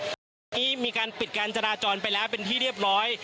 รายงานมีการปิดการจราจรไปแล้วแต้นที่เรียบล้อย